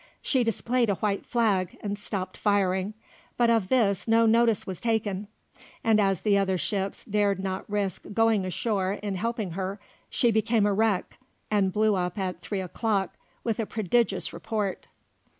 She displayed a white flag and stopped firing: but of this no notice was taken, and as the other ships dared not risk going ashore in helping her, she became a wreck and blew up at three o'clock with a prodigious report.